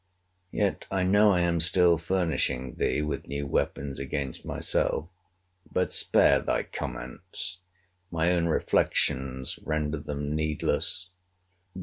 Yet I know I am still furnishing thee with new weapons against myself. But spare thy comments. My own reflections render them needless.